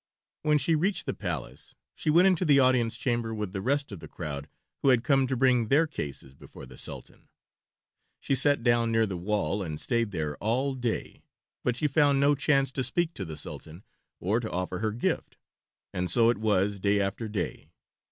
When she reached the palace she went into the audience chamber with the rest of the crowd who had come to bring their cases before the Sultan. She sat down near the wall and stayed there all day, but she found no chance to speak to the Sultan or to offer her gift. And so it was day after day.